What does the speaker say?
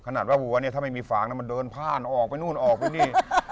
ขนาดว่าวัวเนี่ยถ้าไม่มีฝางมันเดินผ่านออกไปนู่นออกไปนี่